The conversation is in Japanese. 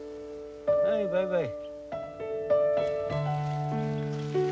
はいバイバイ。